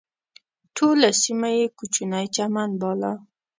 ټوله سیمه یې کوچنی چمن باله.